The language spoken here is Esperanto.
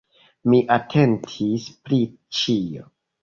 Mi atentis pri ĉio.